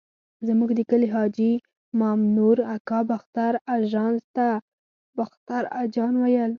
زموږ د کلي حاجي مامنور اکا باختر اژانس ته باختر اجان ویل.